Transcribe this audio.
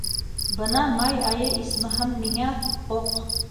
Бына май айы, исмаһам, миңә оҡ...